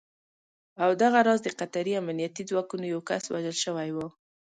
او دغه راز د قطري امنیتي ځواکونو یو کس وژل شوی و